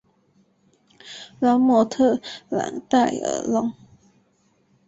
拉莫特朗代尔龙。